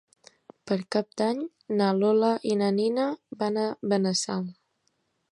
Per Cap d'Any na Lola i na Nina van a Benassal.